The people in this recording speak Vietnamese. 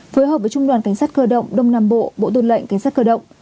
phối hợp với trung đoàn cảnh sát cơ động đông nam bộ bộ tư lệnh cảnh sát cơ động